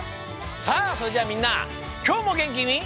さあそれじゃあみんなきょうもげんきに。